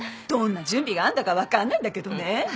どんな準備があんだか分かんないんだけどね。